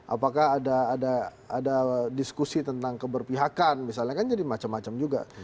apakah ada diskusi tentang keberpihakan misalnya kan jadi macam macam juga